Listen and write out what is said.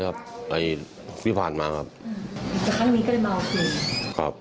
ก็เลยมันดาสงสักครับ